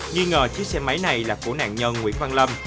nghi ngờ chiếc xe máy này là của nạn nhân nguyễn văn lâm